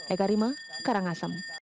eka rima karangasem